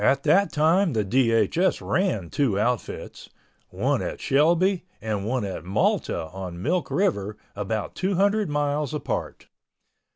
At that time the DHS ran two outfits—one at Shelby and one at Malta on Milk River about two hundred miles apart.